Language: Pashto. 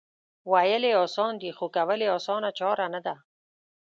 وېل یې اسان دي خو کول یې اسانه چاره نه ده